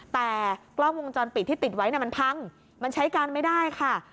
แต่กล้องวงจรปิดที่ติดไว้มันพังมันใช้การไม่ได้ค่ะ